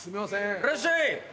いらっしゃい！